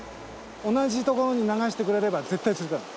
同じところに流してくれれば絶対釣れた。